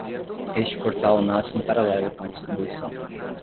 Este portal nasce em paralelo com a distribuição.